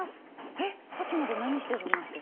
えっさっきまで何してたんだっけ？